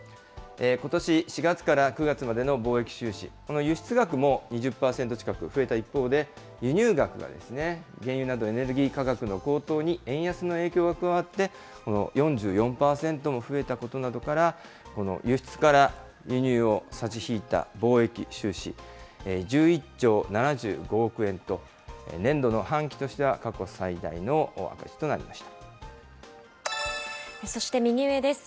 ことし４月から９月までの貿易収支、この輸出額も２０％近く増えた一方で、輸入額が原油などエネルギー価格の高騰に円安の影響が加わって、４４％も増えたことなどから、輸出から輸入を差し引いた貿易収支、１１兆７５億円と、年度の半期としては過去最大の赤字となりましそして右上です。